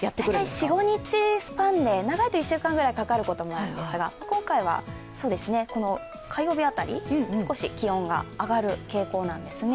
４５日スパンで、長いと１週間くらいかかることもあるんですが、今回は火曜日辺り少し気温が上がる傾向なんですね。